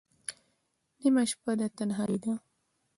نیمه شپه ده تنهایی ده